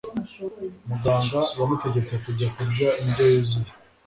Muganga yamutegetse kujya kurya indyo yuzuye.